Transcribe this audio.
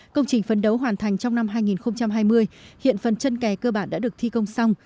công trình phấn đấu hoàn thành trong năm hai nghìn hai mươi hiện phần chân kè cơ bản đã được thi công xong